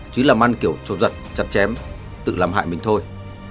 chứ làm ăn kiểu trột giật chặt chém tự làm hại mình thôi